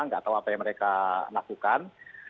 gak tau apa yang mereka lakukan